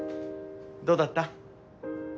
どうだった？